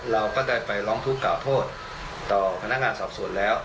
เราก็ได้ไปร้องทุกข่าโทษต่อพนักงานสอบสวนแล้ว